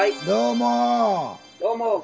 どうも！